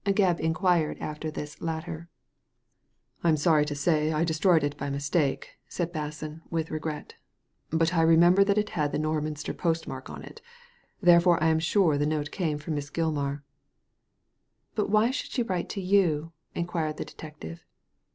Gebb inquired after this latter. Digitized by Google i68 THE LADY FROM NOWHERE *' I'm sorry to say I destroyed it by mistake,'* said Basson, with regret ;but I remember that it had the Norminster post mark on it, therefore I am sure the note came from Miss Gilmar/' " But why should she write to you ?" inquired the detective.